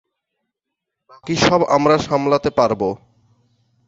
বাকি সব আমরা সামলাতে পারব।